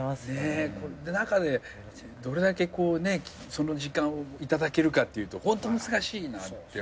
って中でどれだけその時間を頂けるかっていうとホント難しいなって思う。